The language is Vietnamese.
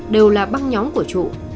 đều là băng nhóm của trụ